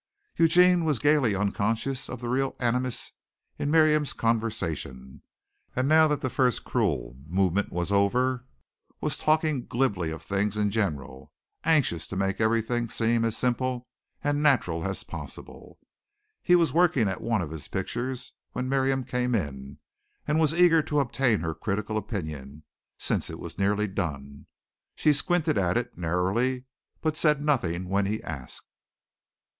Eugene was gaily unconscious of the real animus in Miriam's conversation, and now that the first cruel moment was over, was talking glibly of things in general, anxious to make everything seem as simple and natural as possible. He was working at one of his pictures when Miriam came in and was eager to obtain her critical opinion, since it was nearly done. She squinted at it narrowly but said nothing when he asked.